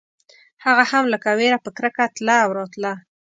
هغه هم لکه وېره په کرکه تله او راتله.